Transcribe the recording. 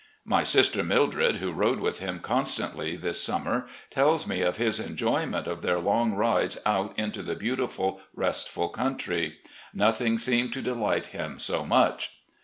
My sister Mildred, who rode with him constantly this summer, tells me of his enjoyment of their long rides out into the beautiful, restful country. Nothing seemed to delight him so much.